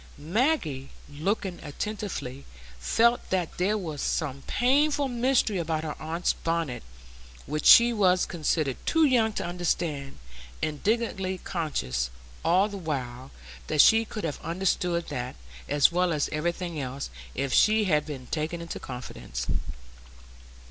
Maggie, looking on attentively, felt that there was some painful mystery about her aunt's bonnet which she was considered too young to understand; indignantly conscious, all the while, that she could have understood that, as well as everything else, if she had been taken into confidence.